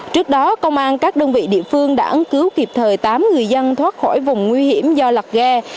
trước đó công an các đơn vị địa phương đã ấn cứu kịp thời tám người dân thoát khỏi vùng nguy hiểm do lạc ghe